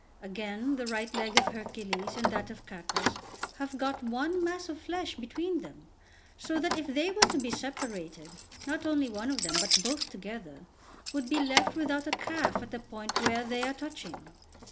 Again, the right leg of Hercules and that of Cacus have got one mass of flesh between them, so that if they were to be separated, not only one of them, but both together, would be left without a calf at the point where they are touching.